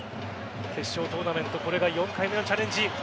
決勝トーナメントこれが４回目のチャレンジ。